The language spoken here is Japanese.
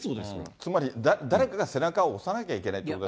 つまり誰かが背中を押さなきゃいけないということ。